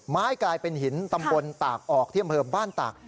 กลายเป็นหินตำบลตากออกที่อำเภอบ้านตาก